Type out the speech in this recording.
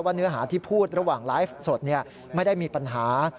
เนื้อหาที่พูดระหว่างไลฟ์สดไม่ได้มีปัญหา